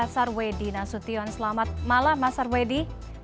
sarwedi nasution selamat malam mas sarwedi